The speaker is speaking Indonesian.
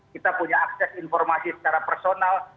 kita punya akses informasi secara personal